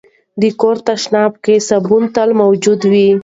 د کور تشناب کې صابون تل موجود وي.